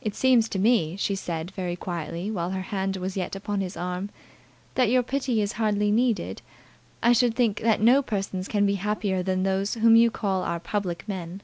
"It seems to me," she said, very quietly, while her hand was yet upon his arm, "that your pity is hardly needed. I should think that no persons can be happier than those whom you call our public men."